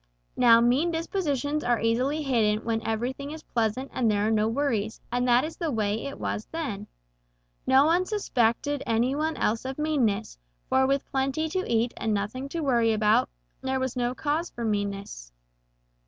Now mean dispositions are easily hidden when everything is pleasant and there are no worries, and that is the way it was then. No one suspected any one else of meanness, for with plenty to eat and nothing to worry about, there was no cause for meanness.